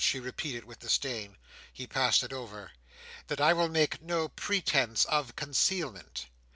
she repeated, with disdain. He passed it over. "—that I will make no pretence of concealment.